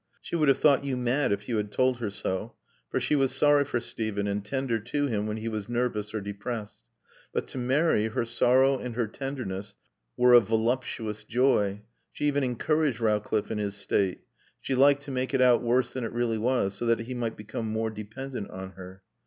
She would have thought you mad if you had told her so, for she was sorry for Steven and tender to him when he was nervous or depressed. But to Mary her sorrow and her tenderness were a voluptuous joy. She even encouraged Rowcliffe in his state. She liked to make it out worse than it really was, so that he might be more dependent on her.